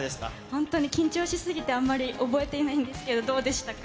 本当に緊張し過ぎて、あんまり覚えていないんですけど、どうでしたか。